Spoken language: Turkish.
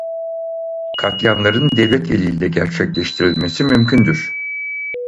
Katliamların devlet eliyle gerçekleştirilmesi mümkündür.